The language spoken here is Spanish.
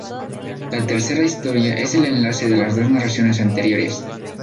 La tercera historia es el enlace de las dos narraciones anteriores.